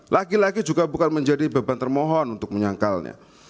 laki laki juga bukan menjadi beban termohon untuk menyangkalnya